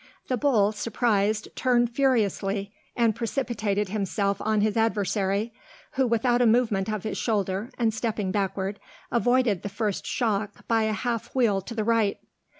The bull, surprised, turned furiously and precipitated himself on his adversary, who without a movement of his shoulder, and stepping backward, avoided the first shock by a half wheel to the right.